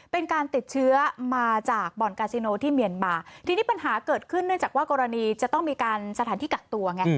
เป็นการติดเชื้อมาจากบ่อนกาซิโนที่เมียนมาทีนี้ปัญหาเกิดขึ้นเนื่องจากว่ากรณีจะต้องมีการสถานที่กักตัวไง